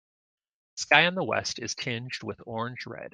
The sky in the west is tinged with orange red.